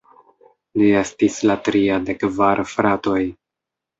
Li estis la tria de kvar fratoj.